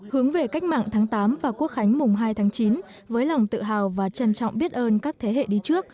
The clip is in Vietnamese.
hướng về cách mạng tháng tám và quốc khánh mùng hai tháng chín với lòng tự hào và trân trọng biết ơn các thế hệ đi trước